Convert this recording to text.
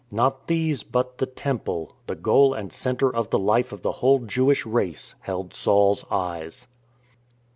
Not these, but the Temple, the goal and centre of the life of the whole Jewish race, held Saul's eyes.